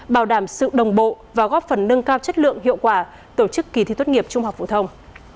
bảo đảm sự đồng bộ và góp phần nâng cao chất lượng hiệu quả tổ chức kỳ thi tốt nghiệp trung học phổ thông